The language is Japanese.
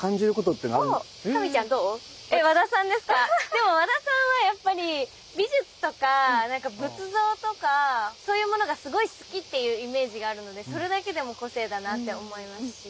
でも和田さんはやっぱり美術とか何か仏像とかそういうものがすごい好きっていうイメージがあるのでそれだけでも個性だなって思いますし。